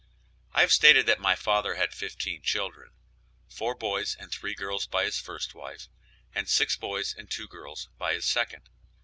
I have stated that my father had fifteen children four boys and three girls by his first wife, and six boys and two girls by his second.